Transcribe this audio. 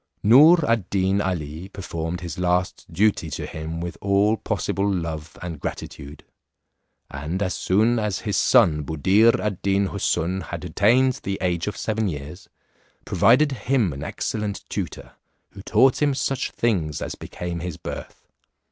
Noor ad Deen Ali, performed his last duty to him with all possible love and gratitude. And as soon as his son Buddir ad Deen Houssun had attained the age of seven years, provided him an excellent tutor, who taught him such things as became his birth.